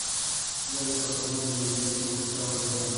ده د پښتنو د مليت شعور پياوړی کړ